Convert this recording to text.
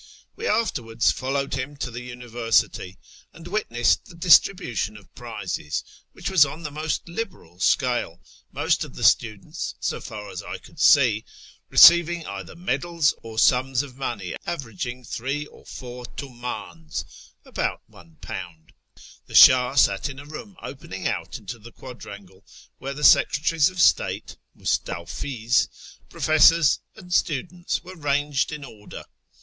We afterwards followed him to the Uni ^ See Polak's Persien, vol. i, p. 353. TEHERAN 103 versity and witnessed the distribution of prizes, which was on the most liberal scale, most of the students, so far as I could see, receiving either medals, or sums of money averaging three or four tumdns (about £1). The Shah sat in a room opening out into the quadrangle, where the secretaries of state (mustawfls), professors, and students were ranged in order.